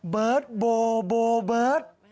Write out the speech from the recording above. เบิ๊ดโบโบเบิ๊ด